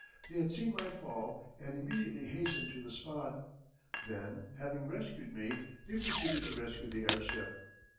They had seen my fall and immediately hastened to the spot. Then, having rescued me, they proceeded to rescue the airship.